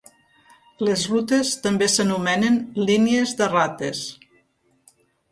Les rutes també s'anomenen línies de rates.